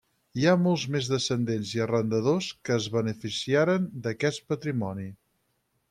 Hi ha molts més descendents i arrendadors que es beneficiaren d'aquest patrimoni.